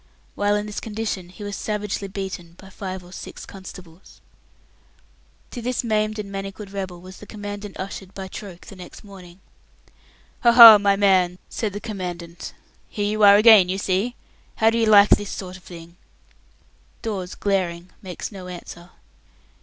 While in this condition he was savagely beaten by five or six constables. To this maimed and manacled rebel was the Commandant ushered by Troke the next morning. "Ha! ha! my man," said the Commandant. "Here you are again, you see. How do you like this sort of thing?" Dawes, glaring, makes no answer.